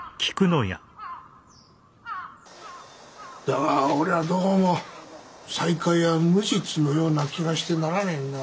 だが俺はどうも西海屋は無実のような気がしてならねえんだ。